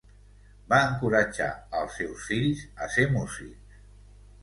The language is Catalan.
Va encoratjar als seus fills a ser músics.